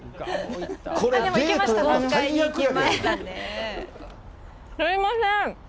これ、すみません。